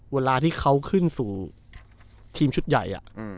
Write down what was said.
เวลาที่เขาขึ้นสู่ทีมชุดใหญ่